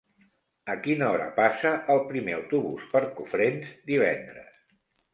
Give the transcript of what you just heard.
A quina hora passa el primer autobús per Cofrents divendres?